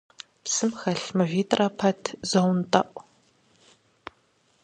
Псым хэлъ мывитӀрэ пэт зонтӀэӀу.